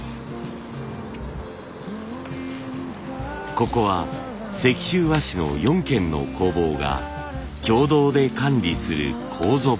ここは石州和紙の４軒の工房が共同で管理する楮畑。